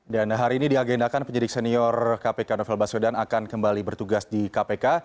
dan hari ini di agendakan penyidik senior kpk novel baswedan akan kembali bertugas di kpk